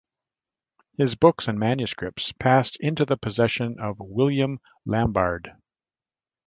His books and manuscripts passed into the possession of William Lambarde.